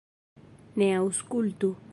Ne aŭskultu!